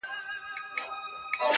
راسره جانانه ستا بلا واخلم.